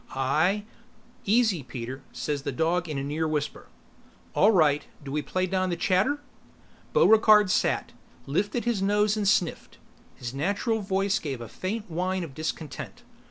"I " "Easy Peter!" said the dog in a near whisper. "All right. Do we play down the chatter?" Buregarde sat, lifted his nose and sniffed. His natural voice gave a faint whine of discontent.